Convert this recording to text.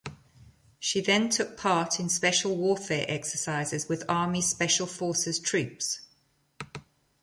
She then took part in special warfare exercises with Army Special Forces troops.